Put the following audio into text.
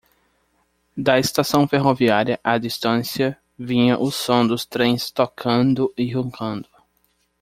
Da estação ferroviária, à distância, vinha o som dos trens tocando e roncando.